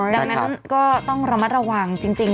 ดังนั้นก็ต้องระมัดระวังจริง